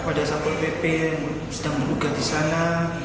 kepada sampo pp yang sedang berhubungan di sana